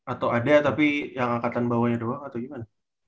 atau ada tapi yang angkatan bawahnya doang atau gimana